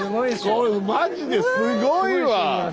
これマジですごいわ。